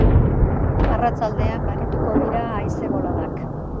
Arratsaldean baretuko dira haize boladak.